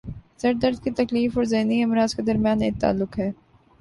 سر درد کی تکلیف اور ذہنی امراض کے درمیان ایک تعلق ہے